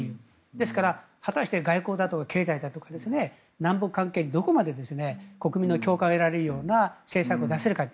ですから、果たして外交だとか経済だとか南北関係にどこまで国民の共感を得られるような政策を出せるかと。